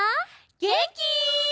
げんき？